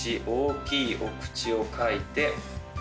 大きいお口を描いて。